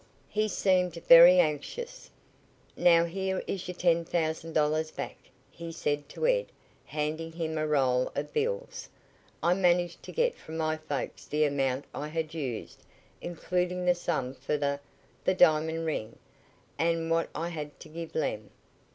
He seemed very anxious. "Now here is your ten thousand dollars back," he said to Ed, handing him a roll of bills. "I managed to get from my folks the amount I had used, including the sum for the the diamond ring, and what I had to give Lem."